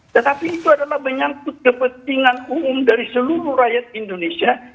tetapi itu adalah menyangkut kepentingan umum dari seluruh rakyat indonesia